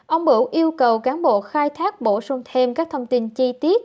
ông bửu yêu cầu cán bộ khai thác bổ sung thêm các thông tin chi tiết